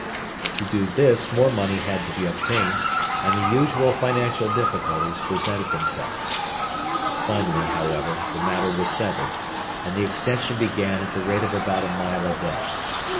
To do this more money had to be obtained, and the usual financial difficulties presented themselves. Finally, however, the matter was settled, and the extension began at the rate of about a mile a day.